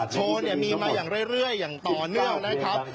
โชว์เนี่ยมีมาอย่างเรื่อยอย่างต่อเนื่องนะครับ